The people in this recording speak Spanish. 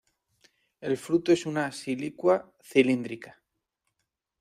El fruto es una silicua cilíndrica.